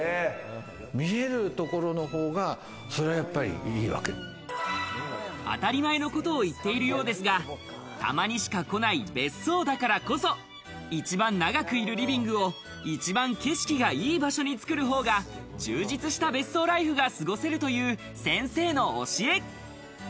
見えるところの方が、当たり前のことを言っているようですが、たまにしか来ない別荘だからこそ、一番長くいられるリビングを一番景色がいい場所につくるほうが充実した別荘ライフが過ごせるという先生の教え。